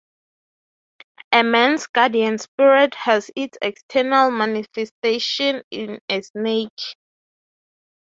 A man's guardian spirit has its external manifestation in a snake.